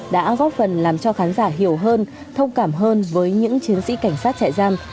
đã góp phần làm cho khán giả hiểu hơn thông cảm hơn với những chiến sĩ cảnh sát trại giam